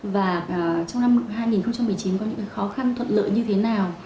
và trong năm hai nghìn một mươi chín có những khó khăn thuận lợi như thế nào